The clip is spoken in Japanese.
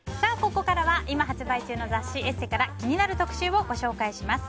ここからは今発売中の雑誌「ＥＳＳＥ」から気になる特集をご紹介します。